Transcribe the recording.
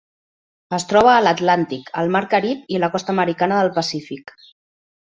Es troba a l'Atlàntic, el mar Carib i la costa americana del Pacífic.